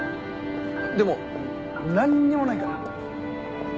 でも何にもないから。